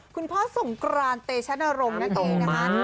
คุณพ่อสงกรานเตชนรงค์นั่นเองนะคะ